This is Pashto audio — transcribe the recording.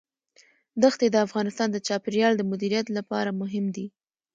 دښتې د افغانستان د چاپیریال د مدیریت لپاره مهم دي.